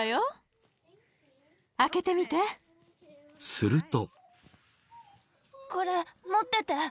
［すると］